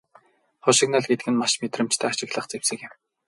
Хошигнол гэдэг нь маш мэдрэмжтэй ашиглах зэвсэг юм.